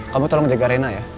kamu tolong jaga rena ya